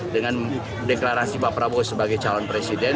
dengan deklarasi pak prabowo sebagai calon presiden